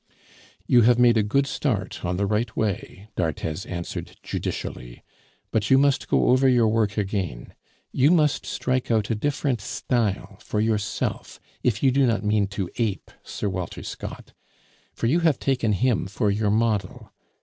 "You have made a good start on the right way," d'Arthez answered judicially, "but you must go over your work again. You must strike out a different style for yourself if you do not mean to ape Sir Walter Scott, for you have taken him for your model.